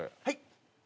はい？